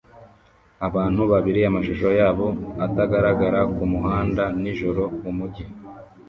Abantu babiri amashusho yabo atagaragara kumuhanda nijoro mumujyi